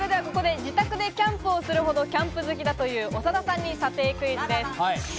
ここで自宅でキャンプをするほどキャンプ好きだという長田さんに査定クイズです。